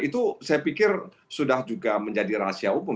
itu saya pikir sudah juga menjadi rahasia hukum